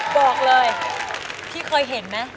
บอกเลยพี่เคยเห็นไหม